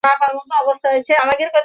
মায় বারও কিছুই মেটের হাত ধরে দৌড়ালে।